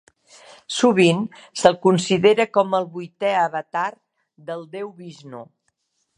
Sovint se'l considera com el vuitè avatar del déu Vixnu.